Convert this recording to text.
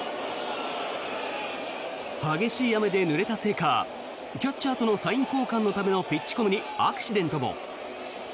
激しい雨でぬれたせいかキャッチャーとのサイン交換のためのピッチコムにアクシデントも。